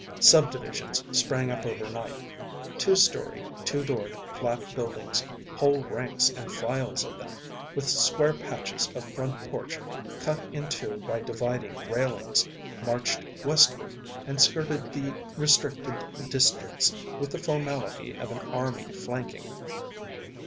Subdivisions sprang up overnight. Two story, two doored flat buildings, whole ranks and files of them, with square patches of front porch cut in two by dividing railings, marched westward and skirted the restricted districts with the formality of an army flanking.